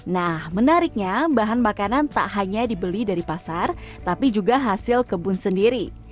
nah menariknya bahan makanan tak hanya dibeli dari pasar tapi juga hasil kebun sendiri